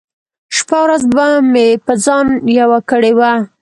شپه ورځ به مې په ځان يوه کړې وه .